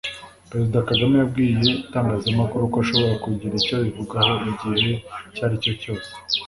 Perezida Kagame yabwiye itangazamakuru ko ashobora kugira icyo abivugaho “igihe icyo ari cyo cyose